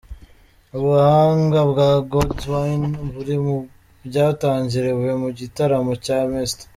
Ubuhanga bwa Godwyn buri mu byatangariwe mu gitaramo cya Mr.